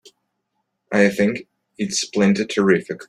I think it's plenty terrific!